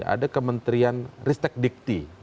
ada kementerian ristek dikti